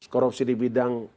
korupsi di bidang